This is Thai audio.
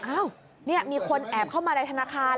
อ้าวนี่มีคนแอบเข้ามาในธนาคาร